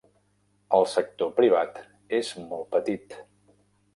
El sector privat és molt petit.